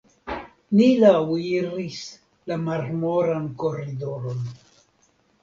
Ni laŭiris la marmoran koridoron.